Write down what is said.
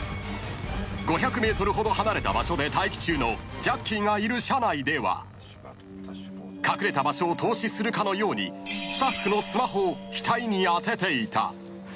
［５００ｍほど離れた場所で待機中のジャッキーがいる車内では隠れた場所を透視するかのようにスタッフのスマホを額に当てていた］